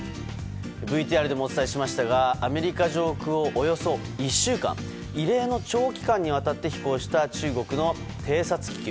ＶＴＲでもお伝えしましたがアメリカ上空をおよそ１週間異例の長期間にわたって飛行した、中国の偵察気球。